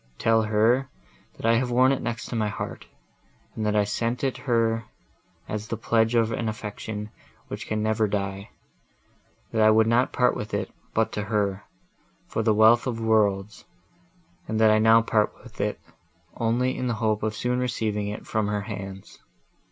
Tell her, that I have worn it next my heart, and that I sent it her as the pledge of an affection, which can never die; that I would not part with it, but to her, for the wealth of worlds, and that I now part with it, only in the hope of soon receiving it from her hands.